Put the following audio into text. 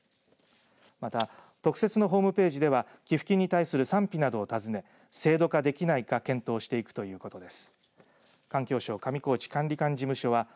また特設のホームページでは寄付金に対する賛否などを訪ね制度ができないか検討していくということです。